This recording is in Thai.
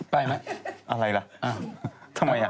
ได้ไหมอะไรล่ะทำไมอ่ะ